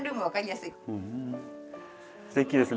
すてきですね。